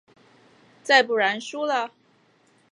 再不然输了？